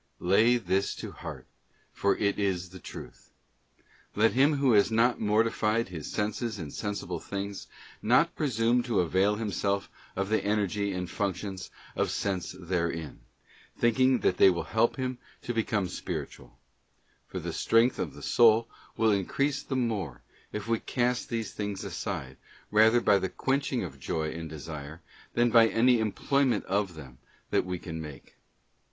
'* Lay this to heart, for it is the truth. Let him who has not mortified his senses in sensible things not presume to avail himself of the energy and functions of sense therein, thinking that they will help him to become spiritual; for the strength of the soul will increase the more, if we cast these things aside, rather by the quenching of joyand desire, than by any employment of them that we can make.